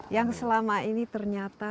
yang selama ini ternyata